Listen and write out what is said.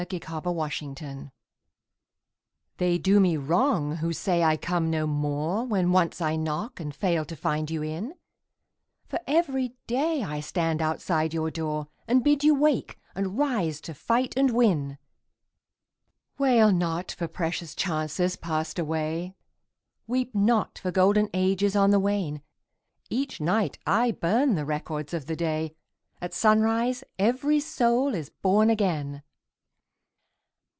OPPORTUNITY They do me wrong who say I come no more When once I knock and fail to find you in ; For every day I stand outside your door, And bid you wake, and rise to fight and win. [ 27 ] Selected Poems Wail not for precious chances passed away, Weep not for golden ages on the wane ! Each night I burn the records of the day, — At sunrise every soul is born again